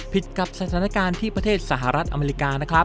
กับสถานการณ์ที่ประเทศสหรัฐอเมริกานะครับ